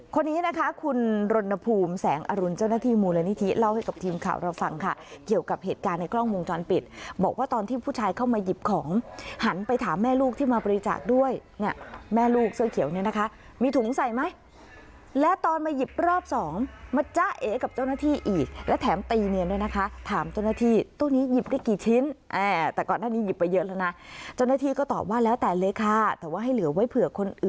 คนนี้นะคะคุณรณภูมิแสงอรุณเจ้าหน้าที่มูลนิธิเล่าให้กับทีมข่าวเราฟังค่ะเกี่ยวกับเหตุการณ์ในกล้องมงจรปิดบอกว่าตอนที่ผู้ชายเข้ามาหยิบของหันไปถามแม่ลูกที่มาบริจาคด้วยแม่ลูกเสื้อเขียวเนี่ยนะคะมีถุงใส่ไหมและตอนมาหยิบรอบสองมาจ้ะเอ๋กับเจ้าหน้าที่อีกและแถมตีเนียนด้วยนะคะถามเจ้